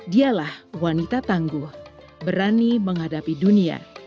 dialah wanita tangguh berani menghadapi dunia